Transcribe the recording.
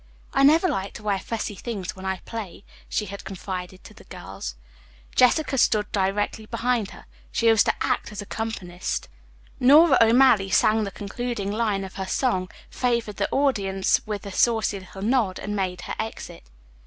"I never like to wear fussy things when I play," she had confided to the girls. Jessica stood directly behind her. She was to act as accompanist. Nora O'Malley sang the concluding line of her song, favored the audience with a saucy little nod and made her exit.